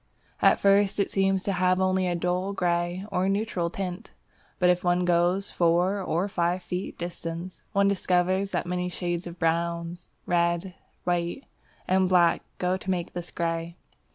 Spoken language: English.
At first it seems to have only a dull grey or neutral tint. But if one goes to four or five feet distance, one discovers that many shades of brown, red, white, and black go to make this grey.